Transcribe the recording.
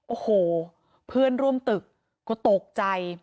โอ้โหเพื่อนร่วมตึกก็ตกใจ